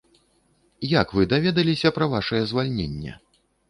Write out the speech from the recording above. Як вы даведаліся пра вашае звальненне?